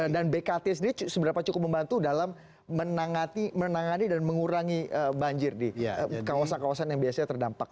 dan bkt sendiri seberapa cukup membantu dalam menangani dan mengurangi banjir di kawasan kawasan yang biasanya terdampak